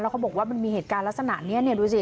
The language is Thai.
เขาบอกว่ามันมีเหตุการณ์ลักษณะนี้ดูสิ